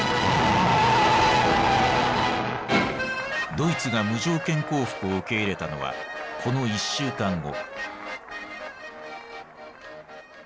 ドイツが無条件降伏を受け入れたのはこの１週間後。